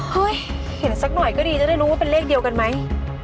เฮ้ยเห็นสักหน่อยก็ดีจะได้รู้ว่าเป็นเลขเดียวกันไหม